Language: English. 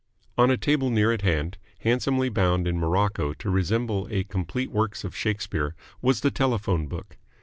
On a table near at hand, handsomely bound in morocco to resemble a complete works of Shakespeare, was the telephone book.